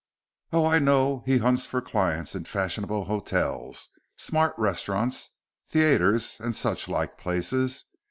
Oh I know how he hunts for clients in fashionable hotels, smart restaurants, theatres and such like places.